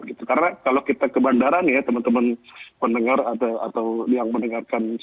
karena kalau kita ke bandarannya teman teman pendengar atau yang mendengarkan siaran ini